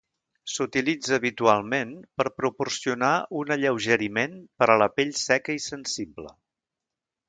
S'utilitza habitualment per proporcionar un alleugeriment per a la pell seca i sensible.